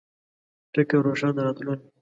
فکر روښانه راتلون